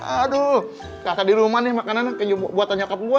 aduh rasa di rumah nih makanan buatan nyokap gue